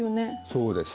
そうです。